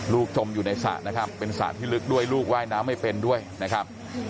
จมอยู่ในสระนะครับเป็นสระที่ลึกด้วยลูกว่ายน้ำไม่เป็นด้วยนะครับ